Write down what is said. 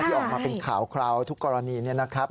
ที่ออกมาเป็นข่าวทุกกรณีนี้นะครับ